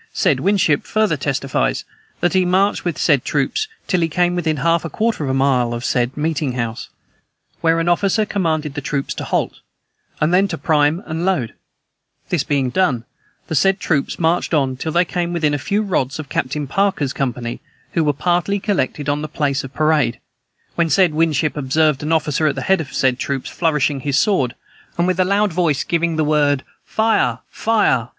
Said Winship farther testifies that he marched with said troops, till he came within about half a quarter of a mile of said meeting house, where an officer commanded the troops to halt, and then to prime and load: this being done, the said troops marched on till they came within a few rods of Captain Parker's company, who were partly collected on the place of parade, when said Winship observed an officer at the head of said troops, flourishing his sword, and with a loud voice giving the word, 'Fire! fire!'